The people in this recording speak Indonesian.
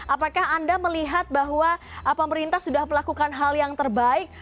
apakah anda melihat bahwa pemerintah sudah melakukan hal yang terbaik